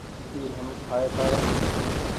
اي هم کآئي سارو ۔